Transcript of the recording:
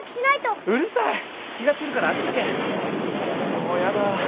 もうやだ。